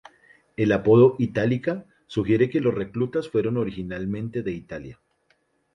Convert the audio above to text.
El apodo Itálica sugiere que los reclutas fueron originalmente de Italia.